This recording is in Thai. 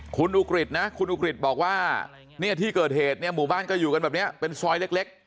คุณอุกฤษนะคุณอุกฤษบอกว่าเนี่ยที่เกิดเหตุเนี่ยหมู่บ้านก็อยู่กันแบบนี้เป็นซอยเล็ก